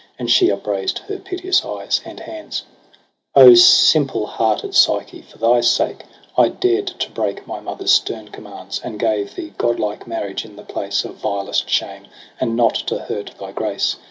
And she upraised her piteous eyes and hands, ' O simple hearted Psyche, for thy sake I dared to break my mother's stern commands j And gave thee godlike marriage in the place Of vilest shame 5 and, not to hurt thy grace.